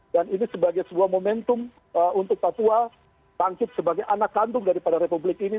dan ini sebagai sebuah momentum untuk papua tangkip sebagai anak kantung daripada republik ini